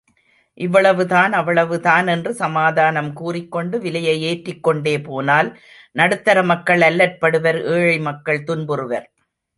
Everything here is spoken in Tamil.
இவ்வளவுதான் அவ்வளவுதான் என்று சமாதானம் கூறிக்கொண்டு விலையை ஏற்றிக்கொண்டே போனால் நடுத்தர மக்கள் அல்லற்படுவர் ஏழை மக்கள் துன்புறுவர்.